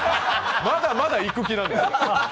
まだまだいく気なんですよ